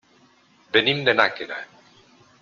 Venim de Nàquera.